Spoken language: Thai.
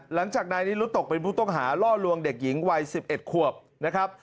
หลังจากนายนิรุธตกเป็นผู้ต้องหาล่อลวงเด็กหญิงวัย๑๑ขวบนะครับ